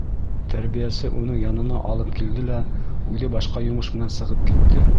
Тәрбиәсе уның янына алып килде лә, үҙе башҡа йомош менән сығып китте.